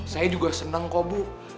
saya juga senang kok bu